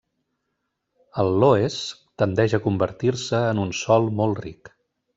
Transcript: El loess tendeix a convertir-se en un sòl molt ric.